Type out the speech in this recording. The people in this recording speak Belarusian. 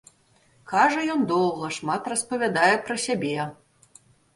Кажа ён доўга, шмат распавядае пра сябе.